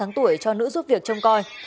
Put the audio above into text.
hàng tuổi cho nữ giúp việc trông coi